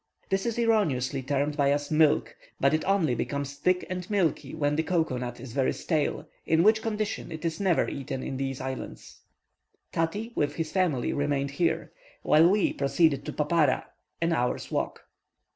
This is erroneously termed by us "Milk," but it only becomes thick and milky when the cocoa nut is very stale, in which condition it is never eaten in these islands. Tati, with his family, remained here, while we proceeded to Papara, an hour's walk.